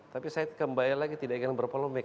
tapi saya kembali lagi tidak ingin berpolemik